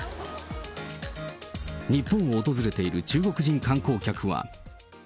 日本を訪れている中国人観光客は。